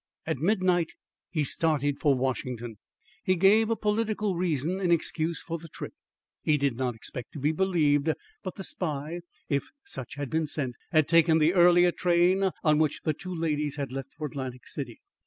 At midnight he started for Washington. He gave a political reason in excuse for this trip. He did not expect to be believed; but the spy, if such had been sent, had taken the earlier train on which the two ladies had left for Atlantic City.